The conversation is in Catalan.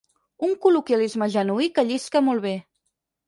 Un col·loquialisme genuí que llisca molt bé.